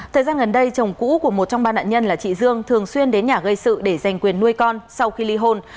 thời gian gần đây chồng cũ của một trong ba nạn nhân là chị dương thường xuyên đến nhà gây sự để giành quyền nuôi con sau khi ly hôn